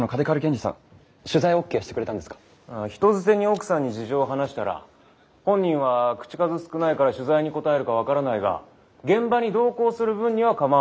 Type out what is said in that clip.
人づてに奥さんに事情を話したら「本人は口数少ないから取材に応えるか分からないが現場に同行する分には構わない」と。